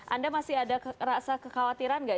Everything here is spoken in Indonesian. anda masih ada rasa kekhawatiran nggak